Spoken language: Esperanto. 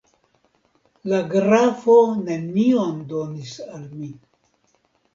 La grafo nenion donis al mi.